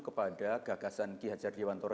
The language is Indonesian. kepada gagasan ki hajar dewantoro